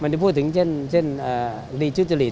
มันจะพูดถึงเช่นรีชุจริต